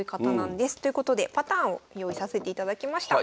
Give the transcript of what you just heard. ということでパターンを用意させていただきました。